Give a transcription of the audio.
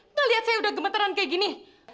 nggak lihat saya udah gemetaran kayak gini